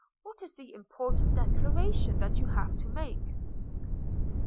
What is the important declaration that you have to make?"